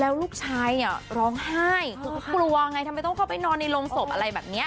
แล้วลูกชายเนี่ยร้องไห้คือก็กลัวไงทำไมต้องเข้าไปนอนในโรงศพอะไรแบบนี้